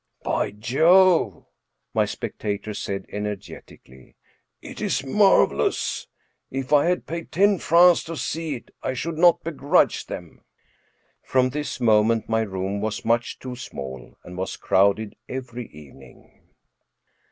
" By Jove !" my spectator said, energetically, " it is mar velous. If I had paid ten francs to see it, I should not be grudge them." From this moment my room was much too small, and was crowded every evening.